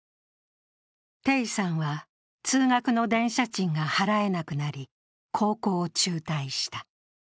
鄭さんは、通学の電車賃が払えなくなり、高校を中退した。